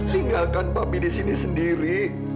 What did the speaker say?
tinggalkan pabi di sini sendiri